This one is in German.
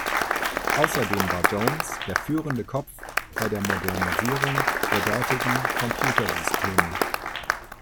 Außerdem war Jones der führende Kopf bei der Modernisierung der dortigen Computersysteme.